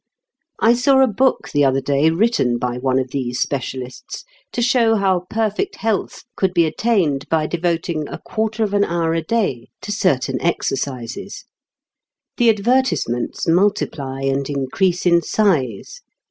I saw a book the other day written by one of these specialists, to show how perfect health could be attained by devoting a quarter of an hour a day to certain exercises. The advertisements multiply and increase in size.